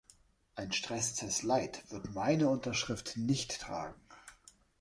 Ein Stresstest light wird meine Unterschrift nicht tragen!